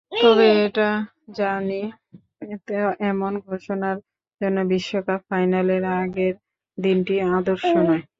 তবে এটা জানি, এমন ঘোষণার জন্য বিশ্বকাপ ফাইনালের আগের দিনটি আদর্শ নয়।